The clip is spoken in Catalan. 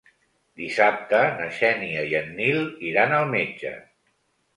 Dissabte na Xènia i en Nil iran al metge.